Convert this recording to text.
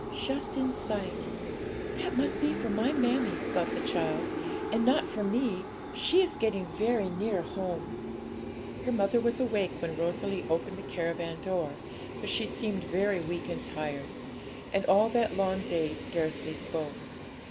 'Just in sight; that must be for my mammie,' thought the child, 'and not for me; she is getting very near home!' Her mother was awake when Rosalie opened the caravan door, but she seemed very weak and tired, and all that long day scarcely spoke.